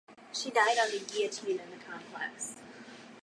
She died on the guillotine in the complex.